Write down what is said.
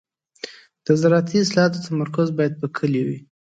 د زراعتي اصلاحاتو تمرکز باید پر کليو وي.